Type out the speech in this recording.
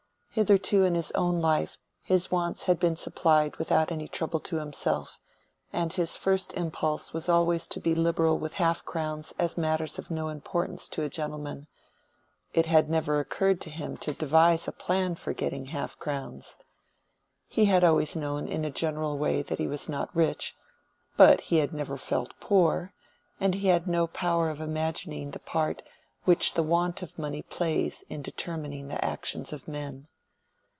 Hitherto in his own life his wants had been supplied without any trouble to himself, and his first impulse was always to be liberal with half crowns as matters of no importance to a gentleman; it had never occurred to him to devise a plan for getting half crowns. He had always known in a general way that he was not rich, but he had never felt poor, and he had no power of imagining the part which the want of money plays in determining the actions of men.